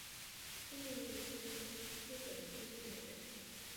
千田是也是日本资深演员。